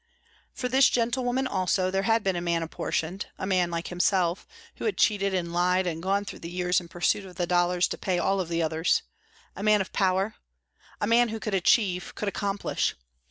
For this gentlewoman also there had been a man apportioned, a man like himself, who had cheated and lied and gone through the years in pursuit of the dollars to pay all of the others, a man of power, a man who could achieve, could accomplish.